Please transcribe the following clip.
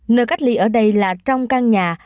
nơi cách ly ở đây là trong căn nhà